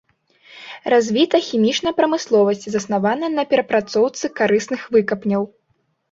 Развіта хімічная прамысловасць, заснаваная на перапрацоўцы карысных выкапняў.